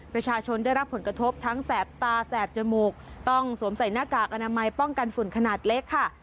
ประชาชนได้รับผลกระทบทั้งแสบตาแสบจมูกต้องสวมใส่หน้ากากอนามัยป้องกันฝุ่นขนาดเล็กค่ะ